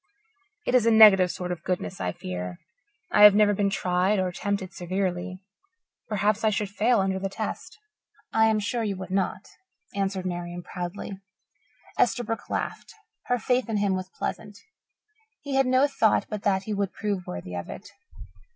"It is a negative sort of goodness, I fear. I have never been tried or tempted severely. Perhaps I should fail under the test." "I am sure you would not," answered Marian proudly. Esterbrook laughed; her faith in him was pleasant. He had no thought but that he would prove worthy of it.